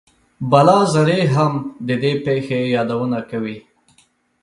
بلاذري هم د دې پېښې یادونه کوي.